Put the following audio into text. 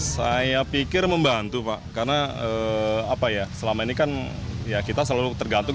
saya pikir membantu pak karena selama ini kan kita selalu tergantung